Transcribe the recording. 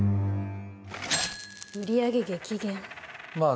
売り上げ激減まあ